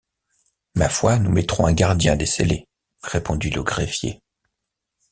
Ma foi, nous mettrons un gardien des scellés, répondit le greffier.